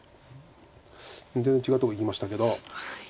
全然違うとこいきましたけど。